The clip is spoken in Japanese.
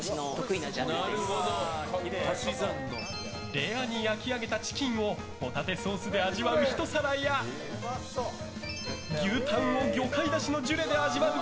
レアに焼き上げたチキンをホタテソースで味わうひと皿や牛タンを魚介だしのジュレで味わう